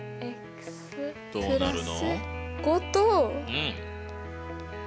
どうなるの？